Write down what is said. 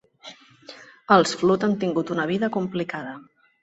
Els Flood han tingut una vida complicada.